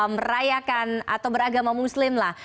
merayakan atau beragama muslim lah